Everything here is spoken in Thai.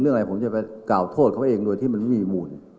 อะไรผมจะไปกล่าวโทษเขาเองโดยที่มันไม่มีมูล